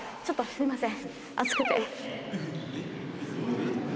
すいません。